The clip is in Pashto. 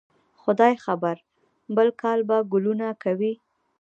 خدای خبر؟ بل کال به ګلونه کوي